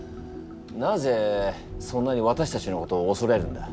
なぜそんなにわたしたちのことをおそれるんだ？